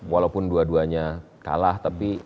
walaupun dua duanya kalah tapi